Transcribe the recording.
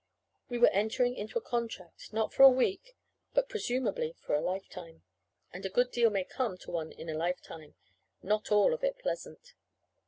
We were entering into a contract, not for a week, but, presumedly, for a lifetime and a good deal may come to one in a lifetime not all of it pleasant.